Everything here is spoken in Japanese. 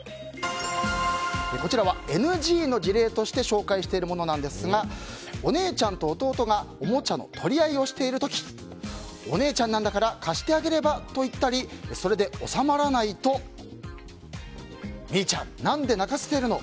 こちらはＮＧの事例として紹介してるものですがお姉ちゃんと弟がおもちゃの取り合いをしている時お姉ちゃんなんだから貸してあげれば？と言ったりそれで収まらないとミーちゃん何で泣かせてるの！